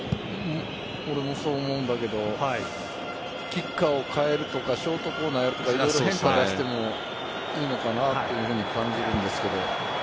俺もそう思うんだけどキッカーを変えるとかショートコーナーやるとか色々、変化をしてもいいのかなというふうに感じるんですけど。